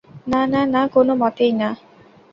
না, না, না, কোনমতেই না।